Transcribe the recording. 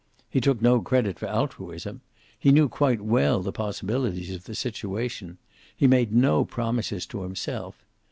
He took no credit for altruism. He knew quite well the possibilities of the situation. He made no promises to himself.